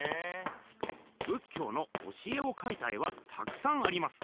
仏教の教えをかいた絵はたくさんあります。